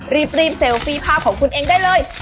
รีบเซลฟี่ภาพของคุณเองได้เลย